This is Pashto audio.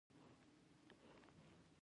مصنوعي ځیرکتیا د معلوماتو د درک سرعت زیاتوي.